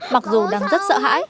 mặc dù đang rất sợ hãi